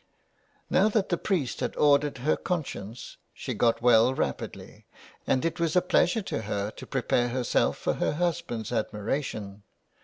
Now that the priest had ordered her conscience, she got well rapidly, and it was a pleasure to her to pre pare herself for her husband's admiration.